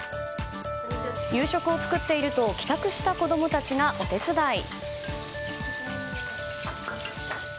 夕食を作っていると帰宅した子供たちがお手伝い。